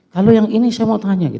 kalau yang ini saya mau tanya